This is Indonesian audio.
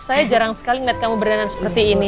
saya jarang sekali ngeliat kamu berdengan seperti ini